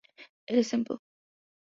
It is simple.